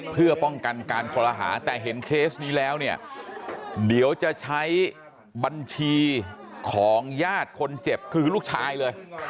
เพื่อป้องกันการคอรหาแต่เห็นเคสนี้แล้วเนี่ยเดี๋ยวจะใช้บัญชีของญาติคนเจ็บคือลูกชายเลย